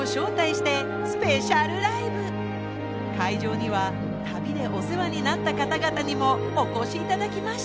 会場には旅でお世話になった方々にもお越しいただきました。